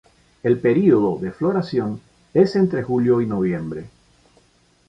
El periodo de floración es entre julio y noviembre.